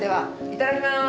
いただきます。